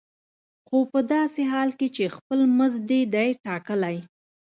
خو په داسې حال کې چې خپل مزد دې دی ټاکلی.